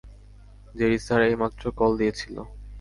JD sir এইমাত্র call দিয়েছিল।